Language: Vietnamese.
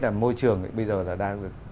là môi trường bây giờ đang được